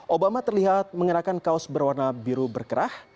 obama terlihat mengenakan kaos berwarna biru berkerah